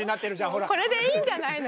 これでいいんじゃないの。